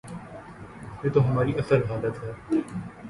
یہ تو ہماری اصل حالت ہے۔